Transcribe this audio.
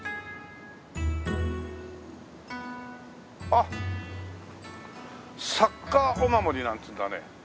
あっ「サッカー御守」なんていうんだね。